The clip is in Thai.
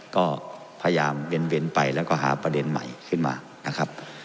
ก็พยายามเบ้นไปแล้วก็หาประเด็นใหม่ขึ้นมานะครับ